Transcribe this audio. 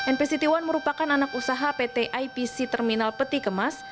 npct satu merupakan anak usaha pt ipc terminal peti kemas